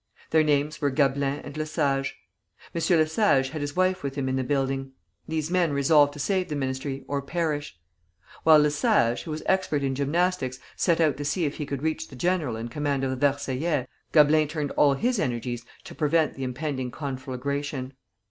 Their names were Gablin and Le Sage. M. Le Sage had his wife with him in the building. These men resolved to save the Ministry, or perish. While Le Sage, who was expert in gymnastics, set out to see if he could reach the general in command of the Versaillais, Gablin turned all his energies to prevent the impending conflagration.